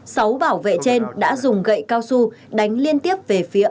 sáu bảo vệ trên đã dùng gậy cao su đánh liên tiếp về phía